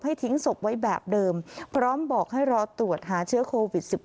ทิ้งศพไว้แบบเดิมพร้อมบอกให้รอตรวจหาเชื้อโควิด๑๙